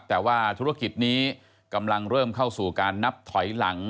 แต่ว่าธุรกิจนี้กำลังเริ่มเข้าสู่การนับถอยหลัง